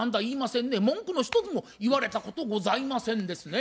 文句の一つも言われたことございませんですね。